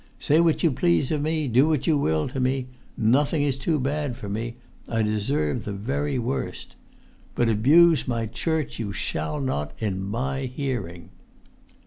"Say what you please of me, do what you will to me. Nothing is too bad for me—I deserve the very worst. But abuse my Church you shall not, in my hearing."